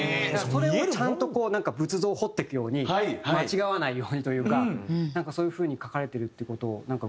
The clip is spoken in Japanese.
それをちゃんとこう仏像を彫っていくように間違わないようにというかそういう風に書かれてるっていう事を伺った事あって。